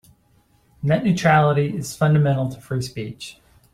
Net neutrality is fundamental to free speech.